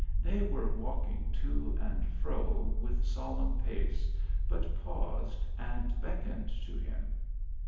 They were walking to and fro with solemn pace, but paused and beckoned to him.